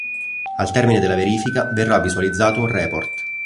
Al termine della verifica, verrà visualizzato un "report".